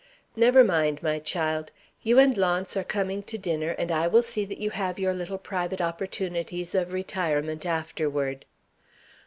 Never mind, my child. You and Launce are coming to dinner, and I will see that you have your little private opportunities of retirement afterward.